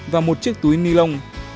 và một chiếc túi nilon